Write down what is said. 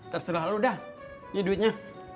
terserah lu dah ini duitnya